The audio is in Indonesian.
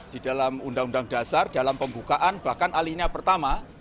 di dalam undang undang dasar dalam pembukaan bahkan alinia pertama